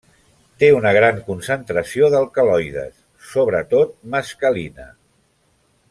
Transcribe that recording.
Té una gran concentració d'alcaloides, sobretot mescalina.